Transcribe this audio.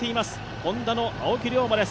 Ｈｏｎｄａの青木涼真です。